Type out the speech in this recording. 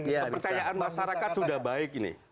kepercayaan masyarakat sudah baik ini